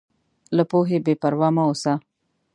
له پوهې بېپروا مه اوسه.